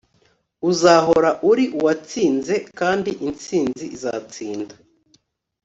Uzahora uri uwatsinze kandi intsinzi izatsinda